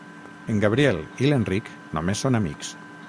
En Gabriel i l'Enric només són amics.